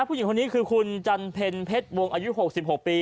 ผู้หญิงคนนี้คือคุณจันเพ็ญเพชรวงอายุ๖๖ปี